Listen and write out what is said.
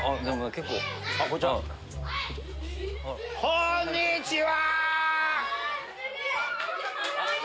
こんにちは。